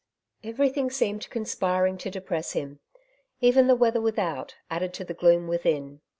Everything seemed conspiring to depress him — even the weather without, added to the gloom within.